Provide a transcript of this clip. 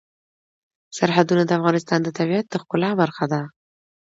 سرحدونه د افغانستان د طبیعت د ښکلا برخه ده.